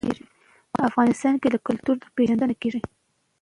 افغانستان د کلتور له مخې پېژندل کېږي.